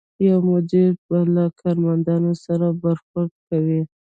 یو مدیر به له کارمندانو سره برخورد کوي.